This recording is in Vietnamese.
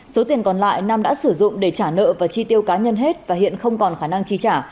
số tiền còn lại nam đã sử dụng để trả nợ và chi tiêu cá nhân hết và hiện không còn khả năng chi trả